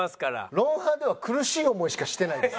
『ロンハー』では苦しい思いしかしてないです。